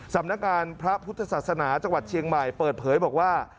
สำนักการพระพุทธศาสนาจังหวัดเชียงใหม่เปิดเผยบอกว่า